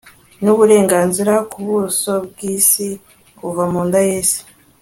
n uburenganzira ku buso bw isi kuva munda y isi